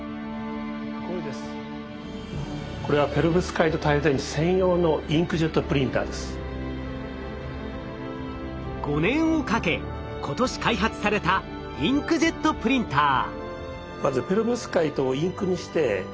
これは５年をかけ今年開発されたインクジェットプリンター。